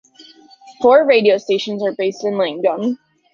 Four radio stations are based in Langdon.